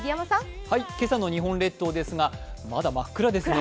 今朝の日本列島ですがまだ真っ暗ですね。